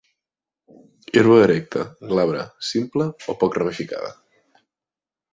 Herba erecta, glabra, simple o poc ramificada.